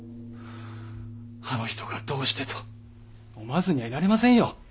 「あの人がどうして？」と思わずにはいられませんよ。